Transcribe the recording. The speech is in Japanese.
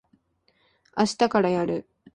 あしたからやる。